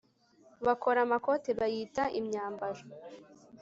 Bakora amakote, bayita imyambaro,